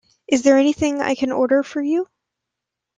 Is there anything I can order for you?